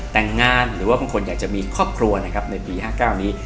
แต่งงานหรือว่าบางคนอยากจะมีครอบครัวนะครับในปี๕๙นี้